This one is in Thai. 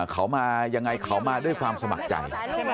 เขามายังไงเขามาด้วยความสมัครใจ